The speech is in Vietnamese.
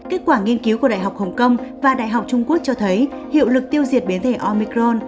kết quả nghiên cứu của đại học hồng kông và đại học trung quốc cho thấy hiệu lực tiêu diệt biến thể omicron